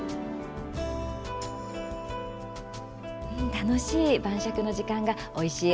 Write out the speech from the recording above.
楽しい晩酌の時間がおいしい